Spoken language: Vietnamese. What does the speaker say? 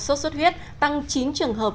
sốt xuất huyết tăng chín trường hợp